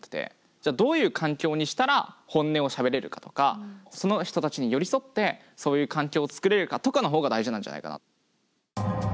じゃあどういう環境にしたら本音をしゃべれるかとかその人たちに寄り添ってそういう環境を作れるかとかの方が大事なんじゃないかな。